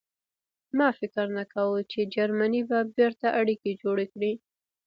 ما فکر نه کاوه چې جرمني به بېرته اړیکې جوړې کړي